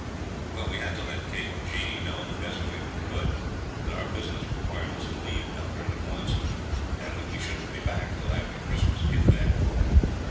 Well, we had to let Kate and Jeanie know the best way we could that our business required us to leave Melbourne at once, and that we shouldn't be back till after Christmas, if then.